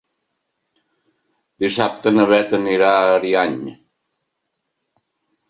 Dissabte na Beth anirà a Ariany.